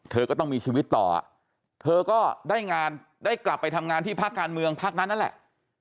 เธอก็ต้องมีชีวิตต่อเธอก็ได้งานได้กลับไปทำงานที่ภาคการเมืองพักนั้นนั่นแหละ